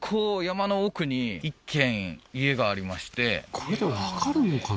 これでわかるのかな？